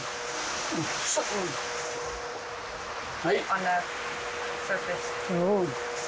はい。